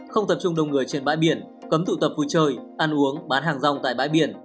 không tập trung đông người trên bãi biển cấm tụ tập vui chơi ăn uống bán hàng rong tại bãi biển